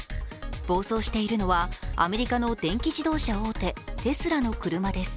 暴走しているのはアメリカの電気自動車大手、テスラの車です。